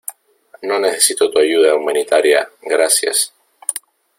no necesito tu ayuda humanitaria, gracias.